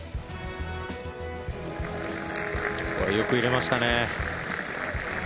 ここよく入れましたね。